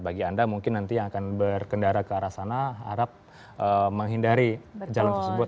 bagi anda mungkin nanti yang akan berkendara ke arah sana harap menghindari jalan tersebut